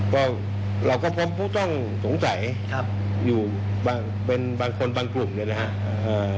ก็เราก็พบผู้ต้องสงสัยอยู่เป็นบางคนบางกลุ่มนะครับ